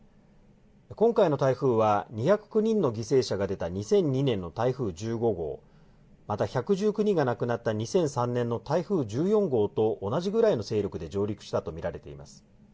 今回の台風は２０９人の犠牲者が出た２００２年の台風１５号、また１１９人が亡くなった２００３年の台風１４号と同じぐらいの勢力で上陸したと見られています。